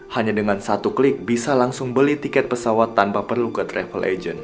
hanya dengan satu klik bisa langsung beli tiket pesawat tanpa perlu ke travel agent